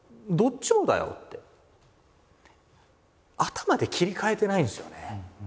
頭で切り替えてないんですよね。